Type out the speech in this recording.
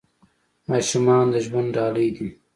ماشومان د ژوند ډالۍ دي .